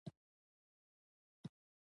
منسوخ په لغت کښي رد سوی، يا ختم سوي ته وايي.